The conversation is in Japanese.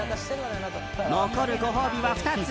残るご褒美は２つ。